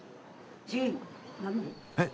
えっ？